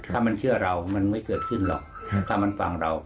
ถ้ามันเชื่อเรามันไม่เกิดขึ้นหรอกถ้ามันฟังเรา